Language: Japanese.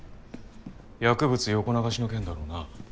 薬物横流しの件だろうな。